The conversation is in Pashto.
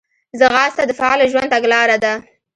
ځغاسته د فعاله ژوند تګلاره ده